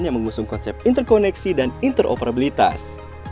yang mengusung konsep interkoneksi dan interoperabilitas